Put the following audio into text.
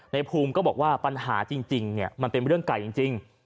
ในภูมิก็บอกว่าปัญหาจริงเนี่ยมันเป็นเรื่องไก่จริง